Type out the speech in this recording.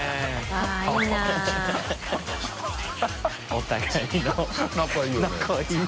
お互いの